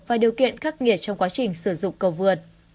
và điều kiện khắc nghiệt trong quá trình sử dụng cầu vượt